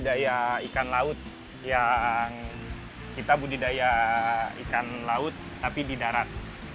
budaya ikan laut yang kita budidaya ikan laut tapi di darat